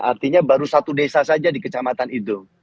artinya baru satu desa saja di kecamatan itu